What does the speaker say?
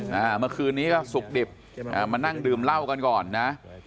เมื่อคืนนี้ก็สุกดิบอ่ามานั่งดื่มเหล้ากันก่อนนะ